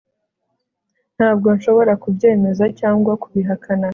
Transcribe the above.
Ntabwo nshobora kubyemeza cyangwa kubihakana